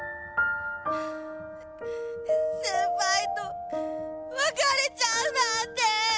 先輩と別れちゃうなんて。